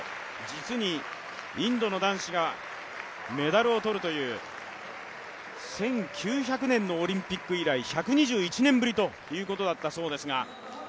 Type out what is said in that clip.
実にインドの男子がメダルを取るという１９００年のオリンピック以来１２１年ぶりだったそうですが。